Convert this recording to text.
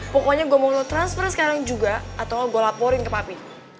pokoknya gue mau lo transfer sekarang juga atau gue laporin ke papi